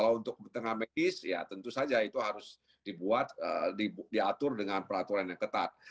jadi untuk kepentingan medis ya tentu saja itu harus dibuat diatur dengan peraturan yang ketat